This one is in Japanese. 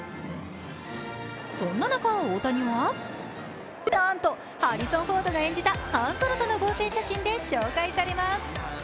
そんな中、大谷は、なんとハリソン・フォードが演じたハン・ソロとの合成写真で紹介されます。